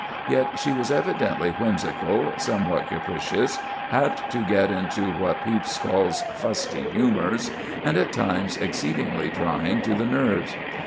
Yet she was evidently whimsical, somewhat capricious, apt to get into what Pepys calls "fusty" humors, and at times exceedingly trying to the nerves.